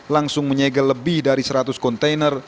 langsung menyegel lebih dari seratus kontainer